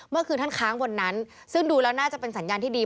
เมื่อคืนท่านค้างวันนั้นซึ่งดูแล้วน่าจะเป็นสัญญาณที่ดี